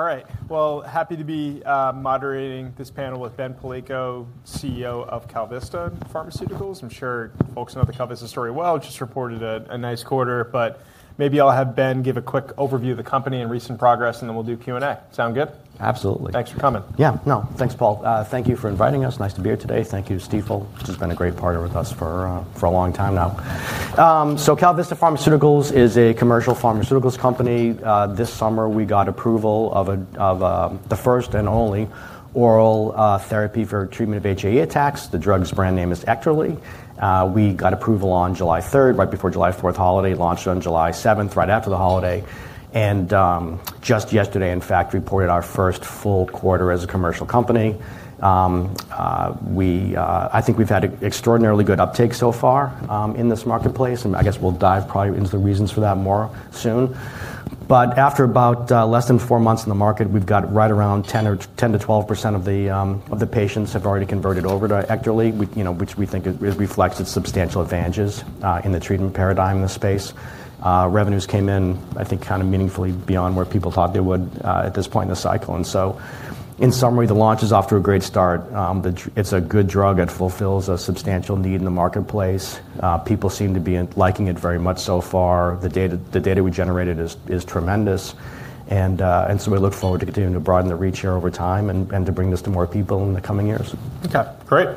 All right. Happy to be moderating this panel with Ben Palleiko, CEO of KalVista Pharmaceuticals. I'm sure folks know the KalVista story well. It just reported a nice quarter. Maybe I'll have Ben give a quick overview of the company and recent progress, and then we'll do Q&A. Sound good? Absolutely. Thanks for coming. Yeah. No, thanks, Paul. Thank you for inviting us. Nice to be here today. Thank you, Steve, for just being a great partner with us for a long time now. KalVista Pharmaceuticals is a commercial pharmaceuticals company. This summer, we got approval of the first and only oral therapy for treatment of HAE attacks. The drug's brand name is EKTERLY. We got approval on July 3, right before the July 4 holiday, launched on July 7, right after the holiday. Just yesterday, in fact, reported our first full quarter as a commercial company. I think we've had extraordinarily good uptake so far in this marketplace. I guess we'll dive probably into the reasons for that more soon. After about less than four months in the market, we've got right around 10%-12% of the patients have already converted over to EKTERLY, which we think reflects its substantial advantages in the treatment paradigm in this space. Revenues came in, I think, kind of meaningfully beyond where people thought they would at this point in the cycle. In summary, the launch is off to a great start. It's a good drug. It fulfills a substantial need in the marketplace. People seem to be liking it very much so far. The data we generated is tremendous. We look forward to continuing to broaden the reach here over time and to bring this to more people in the coming years. Ok, great.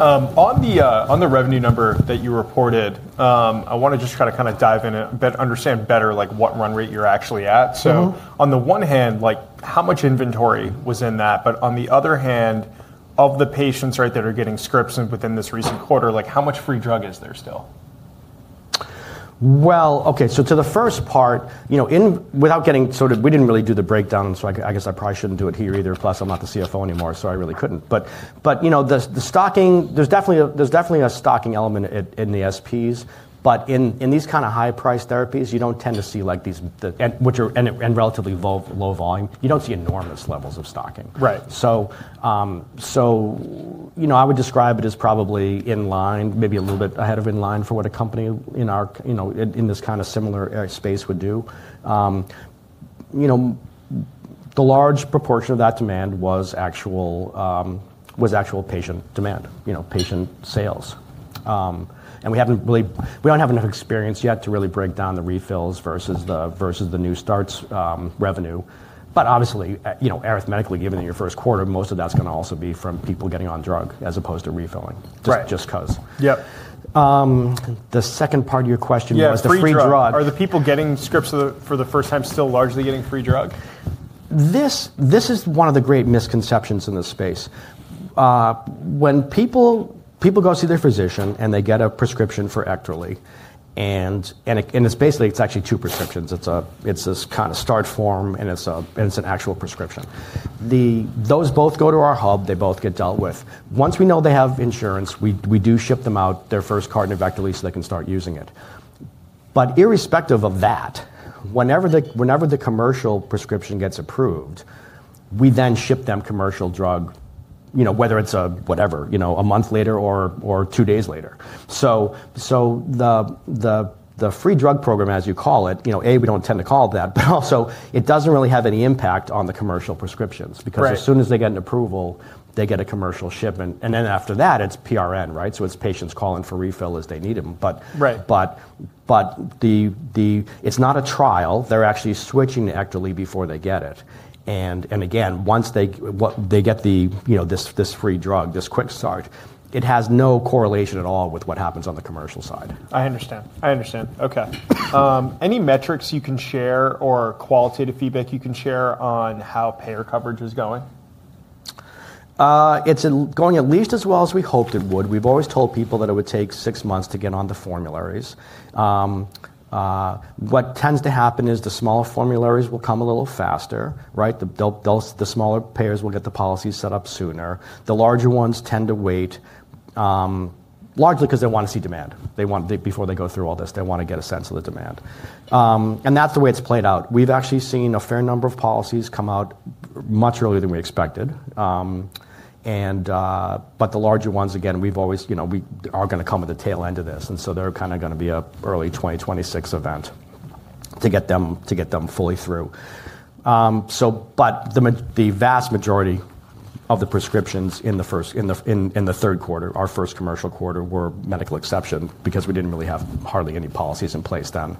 On the revenue number that you reported, I want to just try to kind of dive in and understand better what run rate you're actually at. On the one hand, how much inventory was in that? On the other hand, of the patients that are getting scripts within this recent quarter, how much free drug is there still? Ok, to the first part, without getting sort of we didn't really do the breakdown. I guess I probably shouldn't do it here either. Plus, I'm not the CFO anymore, so I really couldn't. There's definitely a stocking element in the SPs. In these kind of high-priced therapies, you don't tend to see these and relatively low volume. You don't see enormous levels of stocking. I would describe it as probably in line, maybe a little bit ahead of in line for what a company in this kind of similar space would do. The large proportion of that demand was actual patient demand, patient sales. We don't have enough experience yet to really break down the refills versus the new starts revenue. Obviously, arithmetically, given that your first quarter, most of that's going to also be from people getting on drug as opposed to refilling, just because. Yep. The second part of your question was the free drug. Are the people getting scripts for the first time still largely getting free drug? This is one of the great misconceptions in this space. When people go see their physician and they get a prescription for EKTERLY, and it's basically actually two prescriptions. It's this kind of start form, and it's an actual prescription. Those both go to our hub. They both get dealt with. Once we know they have insurance, we do ship them out their first carton of EKTERLY so they can start using it. Irrespective of that, whenever the commercial prescription gets approved, we then ship them commercial drug, whether it's, whatever, a month later or two days later. The free drug program, as you call it, A, we don't tend to call it that. Also, it doesn't really have any impact on the commercial prescriptions. As soon as they get an approval, they get a commercial shipment. After that, it's PRN, right? It's patients calling for refill as they need them. It's not a trial. They're actually switching to EKTERLY before they get it. Once they get this free drug, this quick start, it has no correlation at all with what happens on the commercial side. I understand. Ok. Any metrics you can share or qualitative feedback you can share on how payer coverage is going? It's going at least as well as we hoped it would. We've always told people that it would take six months to get on the formularies. What tends to happen is the smaller formularies will come a little faster. The smaller payers will get the policies set up sooner. The larger ones tend to wait, largely because they want to see demand. Before they go through all this, they want to get a sense of the demand. That's the way it's played out. We've actually seen a fair number of policies come out much earlier than we expected. The larger ones, again, we've always said are going to come at the tail end of this. They are kind of going to be an early 2026 event to get them fully through. The vast majority of the prescriptions in the third quarter, our first commercial quarter, were medical exception because we did not really have hardly any policies in place then.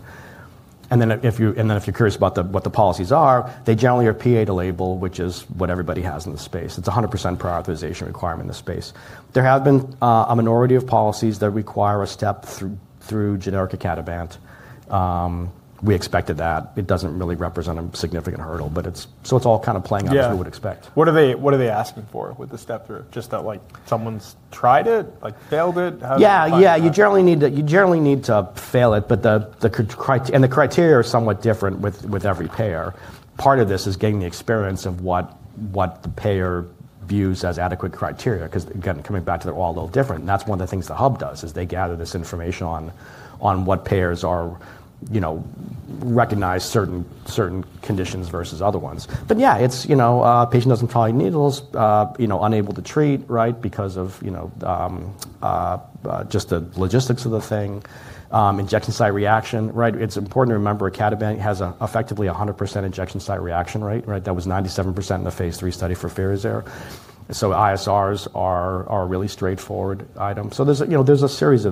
If you are curious about what the policies are, they generally are PA to label, which is what everybody has in the space. It is a 100% prior authorization requirement in the space. There have been a minority of policies that require a step through generic Icatibant. We expected that. It does not really represent a significant hurdle. It is all kind of playing out as we would expect. What are they asking for with the step through? Just that someone's tried it, failed it? Yeah, yeah. You generally need to fail it. And the criteria are somewhat different with every payer. Part of this is getting the experience of what the payer views as adequate criteria. Because again, coming back to they're all a little different. That's one of the things the hub does, is they gather this information on what payers recognize certain conditions versus other ones. Yeah, patient doesn't follow needles, unable to treat because of just the logistics of the thing, injection site reaction. It's important to remember Firazyr has effectively a 100% injection site reaction rate. That was 97% in the phase three study for Firazyr. So ISRs are a really straightforward item. There's a series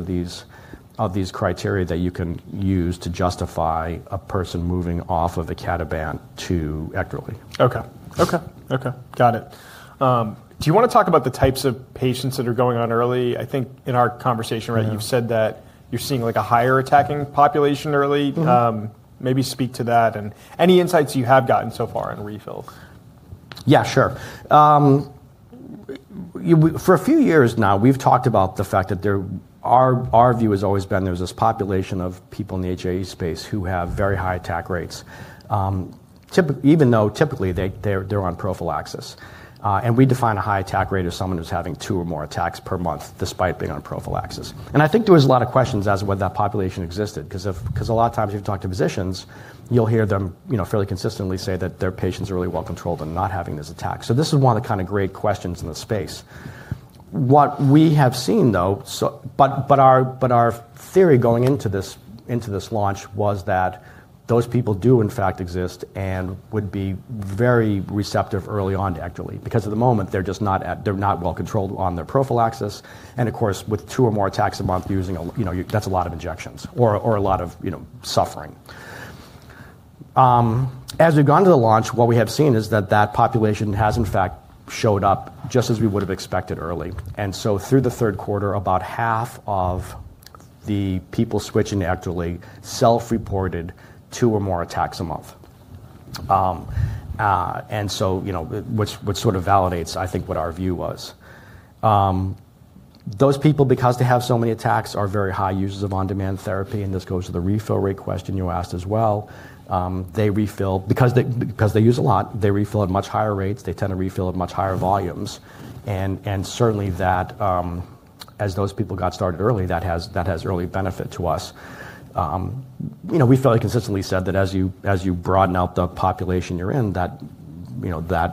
of these criteria that you can use to justify a person moving off of Firazyr to EKTERLY. Ok, Got it. Do you want to talk about the types of patients that are going on early? I think in our conversation, you've said that you're seeing a higher attacking population early. Maybe speak to that and any insights you have gotten so far on refills. Yeah, sure. For a few years now, we've talked about the fact that our view has always been there's this population of people in the HAE space who have very high attack rates, even though typically they're on prophylaxis. We define a high attack rate as someone who's having two or more attacks per month despite being on prophylaxis. I think there was a lot of questions as to whether that population existed. Because a lot of times if you talk to physicians, you'll hear them fairly consistently say that their patients are really well controlled and not having this attack. This is one of the kind of great questions in the space. What we have seen, though, our theory going into this launch was that those people do, in fact, exist and would be very receptive early on to EKTERLY. Because at the moment, they're not well controlled on their prophylaxis. Of course, with two or more attacks a month, that's a lot of injections or a lot of suffering. As we've gone to the launch, what we have seen is that that population has, in fact, showed up just as we would have expected early. Through the third quarter, about half of the people switching to EKTERLY self-reported two or more attacks a month, which sort of validates, I think, what our view was. Those people, because they have so many attacks, are very high users of on-demand therapy. This goes to the refill rate question you asked as well. Because they use a lot, they refill at much higher rates. They tend to refill at much higher volumes. Certainly, as those people got started early, that has early benefit to us. We fairly consistently said that as you broaden out the population you're in, that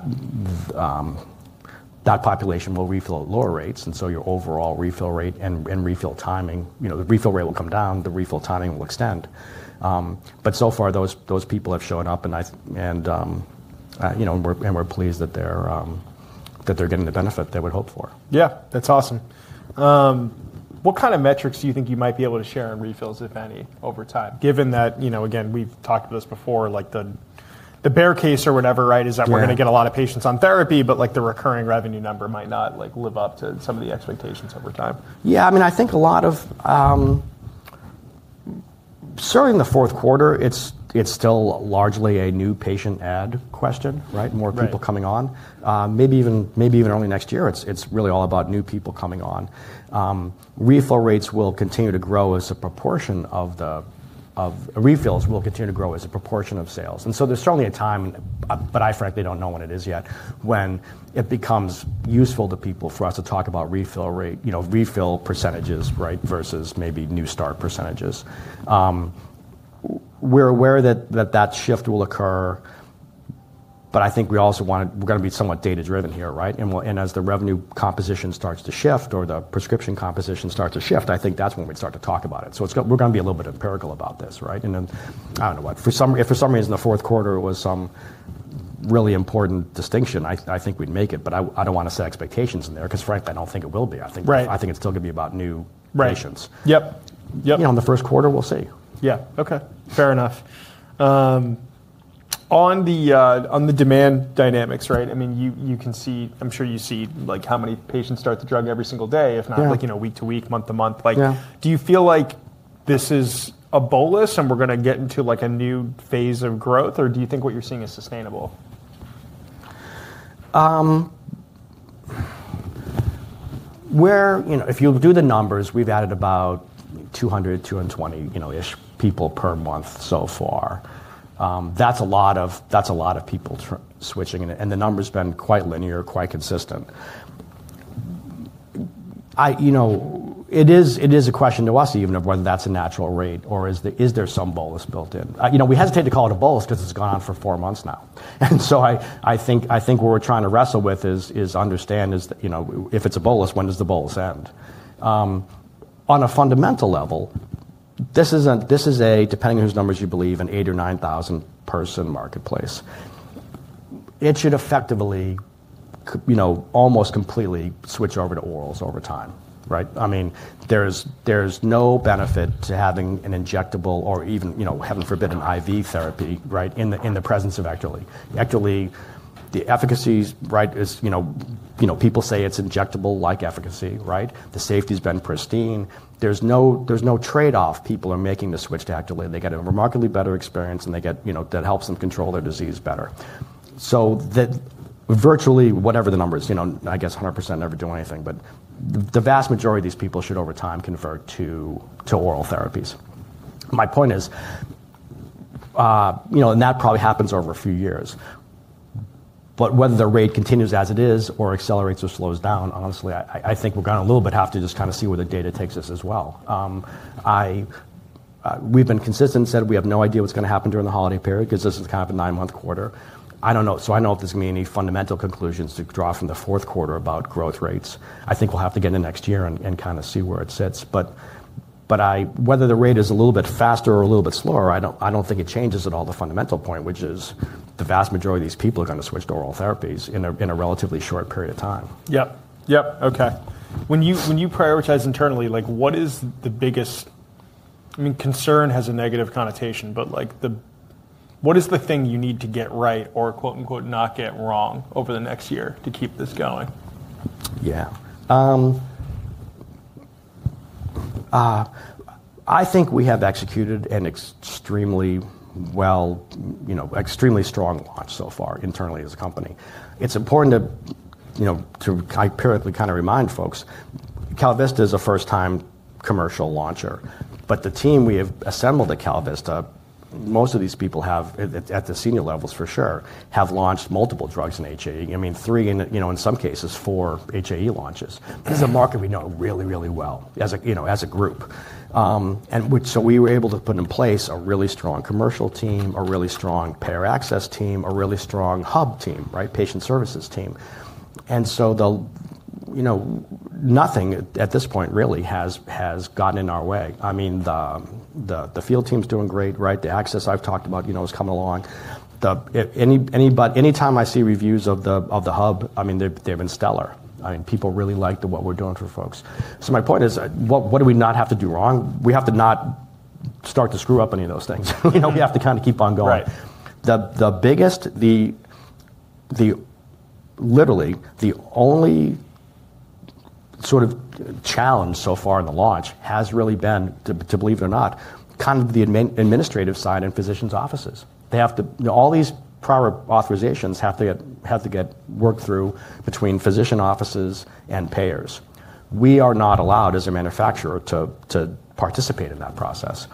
population will refill at lower rates. Your overall refill rate and refill timing, the refill rate will come down. The refill timing will extend. So far, those people have shown up. We're pleased that they're getting the benefit they would hope for. Yeah, that's awesome. What kind of metrics do you think you might be able to share on refills, if any, over time? Given that, again, we've talked about this before, the bear case or whatever, right, is that we're going to get a lot of patients on therapy, but the recurring revenue number might not live up to some of the expectations over time. Yeah, I mean, I think a lot of starting the fourth quarter, it's still largely a new patient add question, more people coming on. Maybe even early next year, it's really all about new people coming on. Refill rates will continue to grow as a proportion of the refills will continue to grow as a proportion of sales. There is certainly a time, but I frankly don't know when it is yet, when it becomes useful to people for us to talk about refill percentages versus maybe new start percentages. We're aware that that shift will occur. I think we're going to be somewhat data-driven here. As the revenue composition starts to shift or the prescription composition starts to shift, I think that's when we'd start to talk about it. We're going to be a little bit empirical about this. I don't know what. If for some reason the fourth quarter was some really important distinction, I think we'd make it. I do not want to set expectations in there. Because frankly, I do not think it will be. I think it is still going to be about new patients. Yep. On the first quarter, we'll see. Yeah, ok, fair enough. On the demand dynamics, right, I mean, you can see, I'm sure you see how many patients start the drug every single day, if not week to week, month to month. Do you feel like this is a bolus and we're going to get into a new phase of growth or do you think what you're seeing is sustainable? If you do the numbers, we've added about 200, 220-ish people per month so far. That's a lot of people switching. The number's been quite linear, quite consistent. It is a question to us even of whether that's a natural rate. Or is there some bolus built in? We hesitate to call it a bolus because it's gone on for four months now. I think what we're trying to wrestle with is understand if it's a bolus, when does the bolus end? On a fundamental level, this is a, depending on whose numbers you believe, an 8,000 or 9,000-person marketplace. It should effectively almost completely switch over to orals over time. I mean, there's no benefit to having an injectable or even, heaven forbid, an IV therapy in the presence of EKTERLY. EKTERLY, the efficacy is people say it's injectable-like efficacy. The safety's been pristine. There's no trade-off. People are making the switch to EKTERLY. They get a remarkably better experience. That helps them control their disease better. Virtually whatever the number is, I guess 100% never do anything. The vast majority of these people should over time convert to oral therapies. My point is, and that probably happens over a few years. Whether the rate continues as it is or accelerates or slows down, honestly, I think we're going to a little bit have to just kind of see where the data takes us as well. We've been consistent and said we have no idea what's going to happen during the holiday period because this is kind of a nine-month quarter. I don't know if there's going to be any fundamental conclusions to draw from the fourth quarter about growth rates. I think we'll have to get into next year and kind of see where it sits. Whether the rate is a little bit faster or a little bit slower, I don't think it changes at all the fundamental point, which is the vast majority of these people are going to switch to oral therapies in a relatively short period of time. Yep, oK. When you prioritize internally, what is the biggest concern has a negative connotation. But what is the thing you need to get right or "not get wrong" over the next year to keep this going? Yeah. I think we have executed an extremely strong launch so far internally as a company. It's important to kind of remind folks, KalVista is a first-time commercial launcher. But the team we have assembled at KalVista, most of these people at the senior levels for sure, have launched multiple drugs in HIV. I mean, three, in some cases, four HIV launches. This is a market we know really, really well as a group. And so we were able to put in place a really strong commercial team, a really strong payer access team, a really strong hub team, patient services team. And so nothing at this point really has gotten in our way. I mean, the field team's doing great. The access I've talked about is coming along. Any time I see reviews of the hub, I mean, they've been stellar. People really liked what we're doing for folks. My point is, what do we not have to do wrong? We have to not start to screw up any of those things. We have to kind of keep on going. Literally, the only sort of challenge so far in the launch has really been, to believe it or not, kind of the administrative side in physicians' offices. All these prior authorizations have to get worked through between physician offices and payers. We are not allowed as a manufacturer to participate in that process.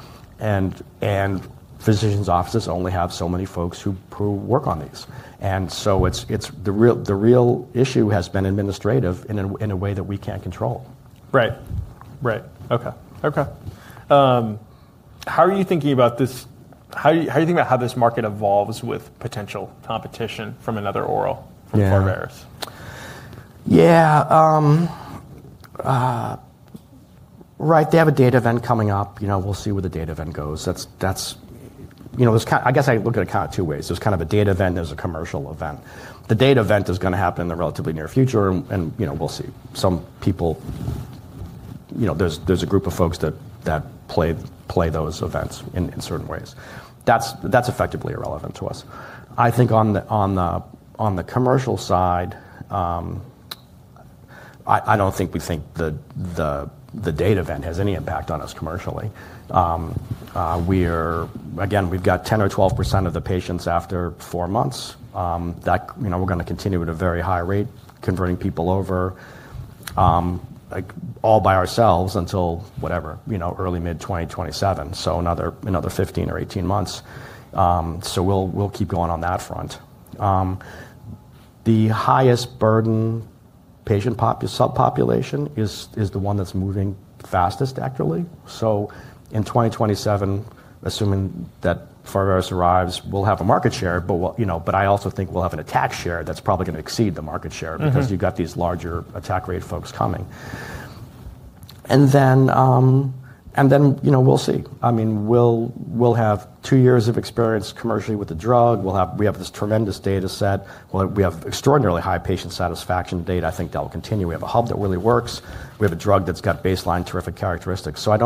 Physicians' offices only have so many folks who work on these. The real issue has been administrative in a way that we can't control. Right, ok. How are you thinking about this? How do you think about how this market evolves with potential competition from another oral, from more payers? Yeah, right. They have a data event coming up. We'll see where the data event goes. I guess I look at it kind of two ways. There's kind of a data event. There's a commercial event. The data event is going to happen in the relatively near future and we'll see. There's a group of folks that play those events in certain ways. That's effectively irrelevant to us. I think on the commercial side, I don't think we think the data event has any impact on us commercially. Again, we've got 10% or 12% of the patients after four months. We're going to continue at a very high rate, converting people over all by ourselves until whatever, early, mid-2027, so another 15 or 18 months. We'll keep going on that front. The highest burden subpopulation is the one that's moving fastest, EKTERLY. In 2027, assuming that Farvarius arrives, we'll have a market share. I also think we'll have an attack share that's probably going to exceed the market share because you've got these larger attack rate folks coming. We'll see. I mean, we'll have two years of experience commercially with the drug. We have this tremendous data set. We have extraordinarily high patient satisfaction data. I think that will continue. We have a hub that really works. We have a drug that's got baseline terrific characteristics. I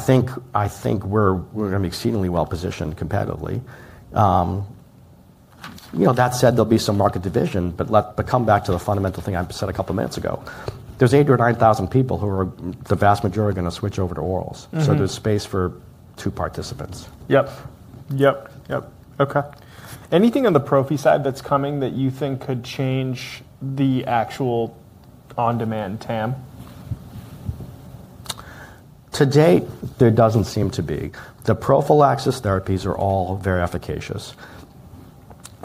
think we're going to be exceedingly well positioned competitively. That said, there'll be some market division. Coming back to the fundamental thing I said a couple of minutes ago, there's 8,000 or 9,000 people who are the vast majority going to switch over to orals. There's space for two participants. Yep, ok. Anything on the prophy side that's coming that you think could change the actual on-demand TAM? To date, there does not seem to be. The prophylaxis therapies are all very efficacious.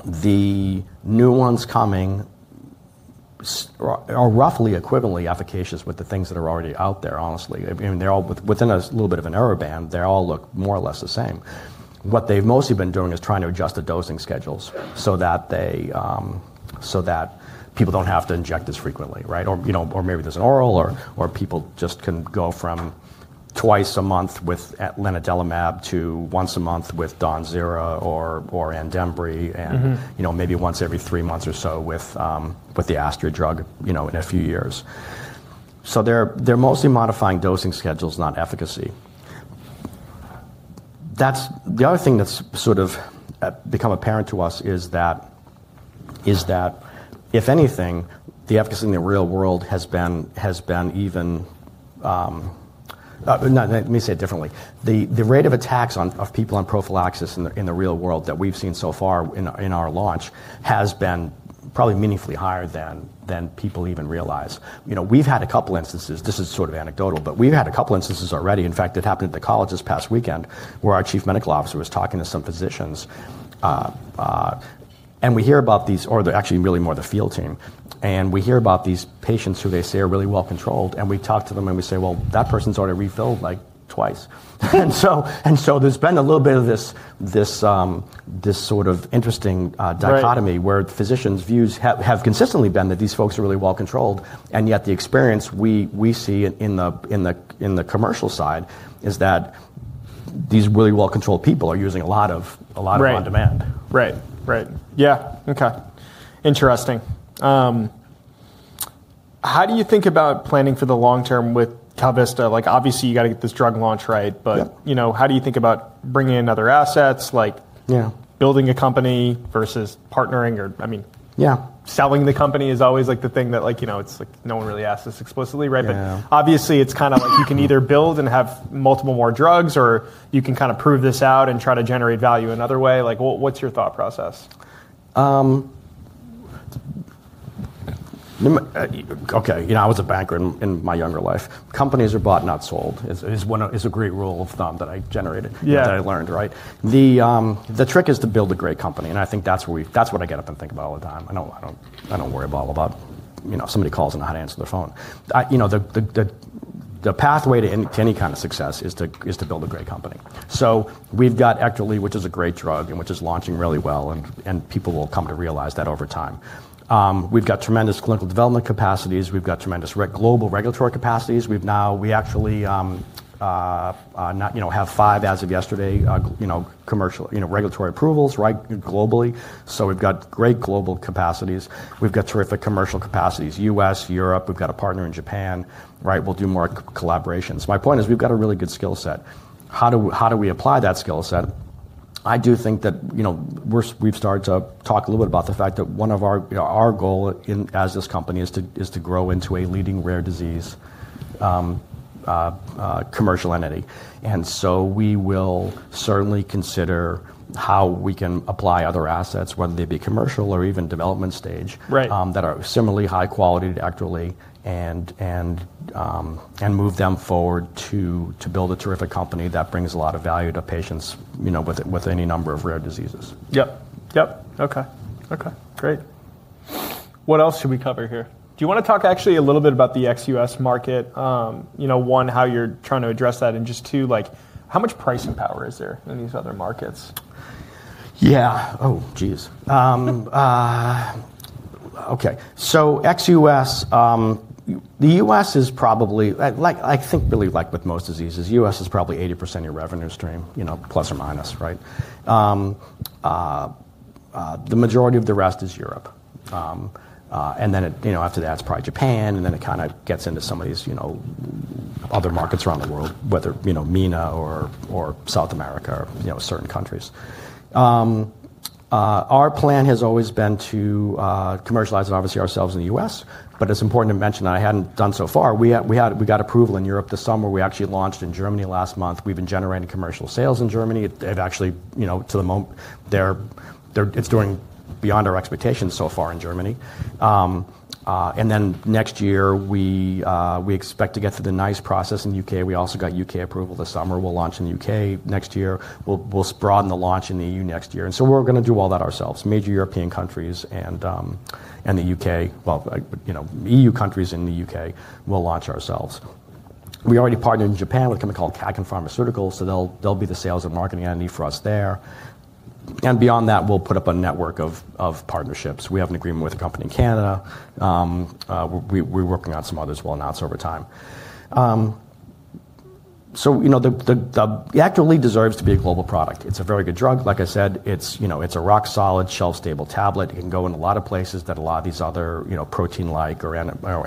The new ones coming are roughly equivalently efficacious with the things that are already out there, honestly. I mean, within a little bit of an error band, they all look more or less the same. What they have mostly been doing is trying to adjust the dosing schedules so that people do not have to inject as frequently. Or maybe there is an oral. Or people just can go from twice a month with lanadelumab to once a month with Dawnzera or Andembry. And maybe once every three months or so with the Astra drug in a few years. They are mostly modifying dosing schedules, not efficacy. The other thing that has sort of become apparent to us is that, if anything, the efficacy in the real world has been even let me say it differently. The rate of attacks of people on prophylaxis in the real world that we've seen so far in our launch has been probably meaningfully higher than people even realize. We've had a couple of instances. This is sort of anecdotal. We've had a couple of instances already. In fact, it happened at the college this past weekend where our Chief Medical Officer was talking to some physicians. We hear about these, or they're actually really more the field team. We hear about these patients who they say are really well controlled. We talk to them, and we say, that person's already refilled like twice. There's been a little bit of this sort of interesting dichotomy where physicians' views have consistently been that these folks are really well controlled. Yet the experience we see in the commercial side is that these really well controlled people are using a lot of on-demand. Right, yeah, ok, interesting. How do you think about planning for the long term with KalVista? Obviously, you've got to get this drug launch right. How do you think about bringing in other assets, like building a company versus partnering? I mean, selling the company is always the thing that no one really asks us explicitly. Obviously, it's kind of like you can either build and have multiple more drugs. Or you can kind of prove this out and try to generate value another way. What's your thought process? Ok, I was a banker in my younger life. Companies are bought, not sold is a great rule of thumb that I generated, that I learned. The trick is to build a great company. I think that's what I get up and think about all the time. I don't worry about somebody calls and I don't answer their phone. The pathway to any kind of success is to build a great company. We've got EKTERLY, which is a great drug and which is launching really well. People will come to realize that over time. We've got tremendous clinical development capacities. We've got tremendous global regulatory capacities. We actually have five, as of yesterday, regulatory approvals globally. We've got great global capacities. We've got terrific commercial capacities, U.S., Europe. We've got a partner in Japan. We'll do more collaborations. My point is we've got a really good skill set. How do we apply that skill set? I do think that we've started to talk a little bit about the fact that one of our goals as this company is to grow into a leading rare disease commercial entity. We will certainly consider how we can apply other assets, whether they be commercial or even development stage, that are similarly high quality to EKTERLY and move them forward to build a terrific company that brings a lot of value to patients with any number of rare diseases. Yep, ok, great. What else should we cover here? Do you want to talk actually a little bit about the ex-US market? One, how you're trying to address that. And just two, how much pricing power is there in these other markets? Yeah, oh, jeez. ok, so ex-U.S., the U.S. is probably, I think really like with most diseases, U.S. is probably 80% of your revenue stream, plus or minus. The majority of the rest is Europe. After that, it's probably Japan. It kind of gets into some of these other markets around the world, whether MENA or South America or certain countries. Our plan has always been to commercialize it, obviously, ourselves in the U.S. It's important to mention, and I hadn't done so far, we got approval in Europe this summer. We actually launched in Germany last month. We've been generating commercial sales in Germany. To the moment, it's doing beyond our expectations so far in Germany. Next year, we expect to get through the NICE process in the U.K. We also got U.K. approval this summer. We'll launch in the U.K. next year. We'll broaden the launch in the EU next year. We're going to do all that ourselves, major European countries and the U.K., EU countries and the U.K., we'll launch ourselves. We already partnered in Japan with a company called KAKEN Pharmaceuticals. They'll be the sales and marketing entity for us there. Beyond that, we'll put up a network of partnerships. We have an agreement with a company in Canada. We're working on some others we'll announce over time. EKTERLY deserves to be a global product. It's a very good drug. Like I said, it's a rock solid, shelf stable tablet. It can go in a lot of places that a lot of these other protein-like or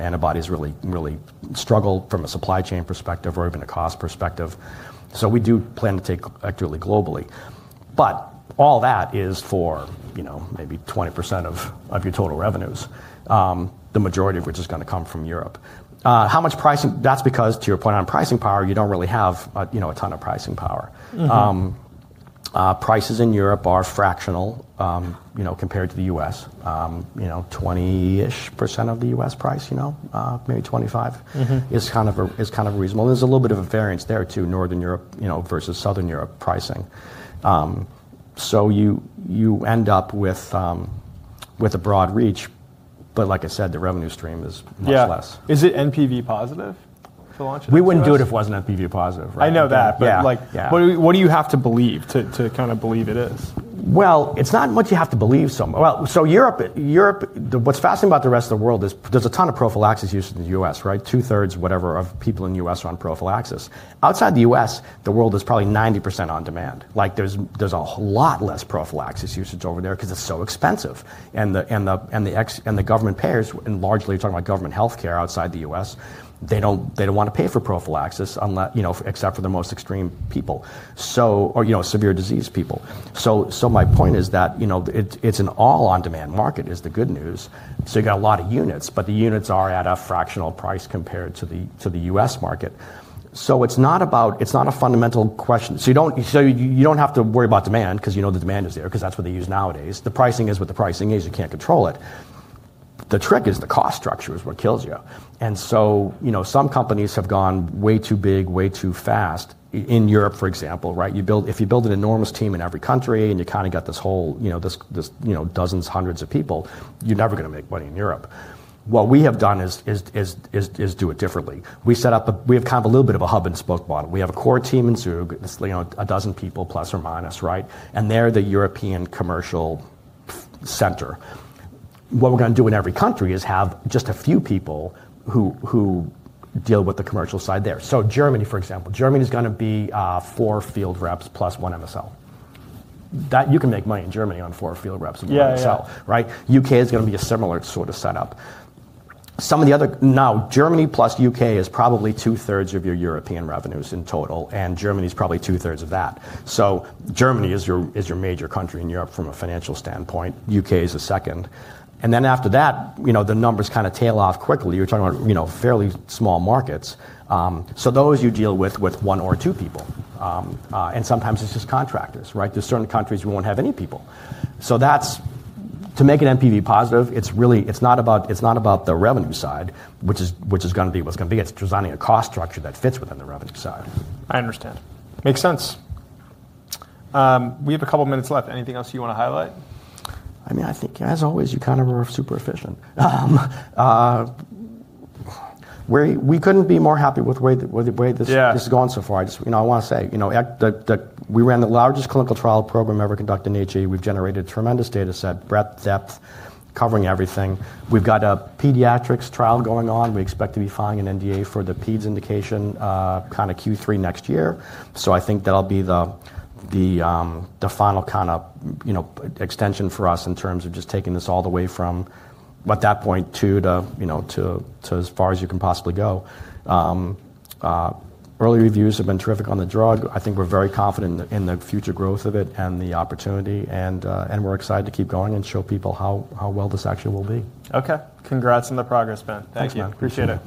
antibodies really struggle from a supply chain perspective or even a cost perspective. We do plan to take EKTERLY globally. All that is for maybe 20% of your total revenues, the majority of which is going to come from Europe. That is because, to your point on pricing power, you do not really have a ton of pricing power. Prices in Europe are fractional compared to the U.S. 20% of the U.S. price, maybe 25%, is kind of reasonable. There is a little bit of variance there too, Northern Europe versus Southern Europe pricing. You end up with a broad reach. Like I said, the revenue stream is much less. Yeah, is it NPV positive to launch it? We wouldn't do it if it wasn't NPV positive. I know that. What do you have to believe to kind of believe it is? It is not much you have to believe. Europe, what is fascinating about the rest of the world is there is a ton of prophylaxis use in the U.S. Two thirds, whatever, of people in the U.S. are on prophylaxis. Outside the U.S., the world is probably 90% on demand. There is a lot less prophylaxis usage over there because it is so expensive. The government payers, and largely you are talking about government health care outside the U.S., they do not want to pay for prophylaxis except for the most extreme people or severe disease people. My point is that it is an all on demand market, is the good news. You have got a lot of units. The units are at a fractional price compared to the U.S. market. It is not a fundamental question. You do not have to worry about demand because you know the demand is there because that is what they use nowadays. The pricing is what the pricing is. You cannot control it. The trick is the cost structure is what kills you. Some companies have gone way too big, way too fast. In Europe, for example, if you build an enormous team in every country and you kind of have this whole dozens, hundreds of people, you are never going to make money in Europe. What we have done is do it differently. We have kind of a little bit of a hub and spoke model. We have a core team in Zug, a dozen people plus or minus. They are the European commercial center. What we are going to do in every country is have just a few people who deal with the commercial side there. Germany, for example, Germany is going to be four field reps plus one MSL. You can make money in Germany on four field reps and one MSL. U.K. is going to be a similar sort of setup. Now, Germany plus U.K. is probably two thirds of your European revenues in total. Germany is probably two thirds of that. Germany is your major country in Europe from a financial standpoint. U.K. is a second. After that, the numbers kind of tail off quickly. You're talking about fairly small markets. Those you deal with with one or two people. Sometimes it's just contractors. There are certain countries you won't have any people. To make it NPV positive, it's not about the revenue side, which is going to be what's going to be. It's designing a cost structure that fits within the revenue side. I understand. Makes sense. We have a couple of minutes left. Anything else you want to highlight? I mean, I think as always, you kind of are super efficient. We couldn't be more happy with the way this has gone so far. I want to say we ran the largest clinical trial program ever conducted in HAE. We've generated a tremendous data set, breadth, depth, covering everything. We've got a pediatrics trial going on. We expect to be filing an NDA for the PEDS indication kind of Q3 next year. I think that'll be the final kind of extension for us in terms of just taking this all the way from at that point to as far as you can possibly go. Early reviews have been terrific on the drug. I think we're very confident in the future growth of it and the opportunity. We're excited to keep going and show people how well this actually will be. Ok, congrats on the progress, Ben. Thank you. Appreciate it.